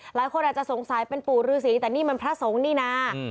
หลายคนอาจจะสงสัยเป็นปู่ฤษีแต่นี่มันพระสงฆ์นี่นะ